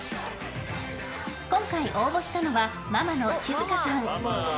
今回応募したのはママの静香さん。